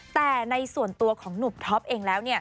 แต่ในส่วนตัวของหนุ่มท็อปเองแล้ว